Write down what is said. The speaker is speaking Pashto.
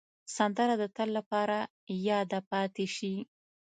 سندره د تل لپاره یاده پاتې شي